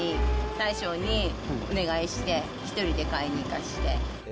大将にお願いして、１人で買いに行かして。